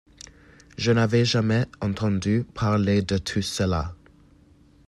Je n’avais jamais entendu parler de tout cela !